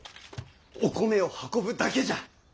お米を運ぶだけじゃ！